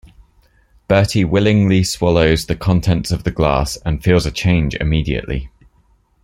Bertie willingly swallows the contents of the glass, and feels a change immediately.